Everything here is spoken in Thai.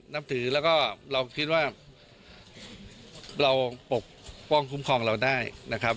นับถือแล้วก็เราคิดว่าเราปกป้องคุ้มครองเราได้นะครับ